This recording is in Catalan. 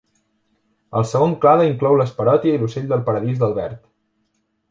El segon clade inclou les Parotia i l'ocell del paradís d'Albert.